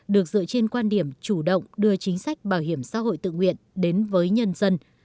được dựa trên quan điểm chủ động đưa chính sách bảo hiểm xã hội tự nguyện đến với nhân dân